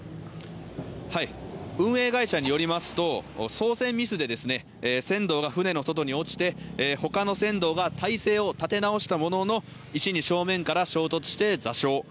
運営会社によりますと、操船ミスで船頭が舟の外に落ちて、他の船頭が態勢を立て直したものの、石に正面から衝突して座礁。